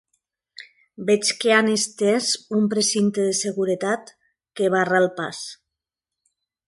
Veig que han estès un precinte de seguretat que barra el pas.